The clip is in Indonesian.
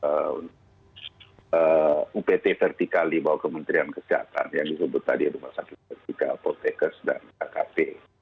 kami mengeluarkan edaran upt vertikali bawah kementerian kesehatan yang disebut tadi rumah sakit vertikal politekes dan akp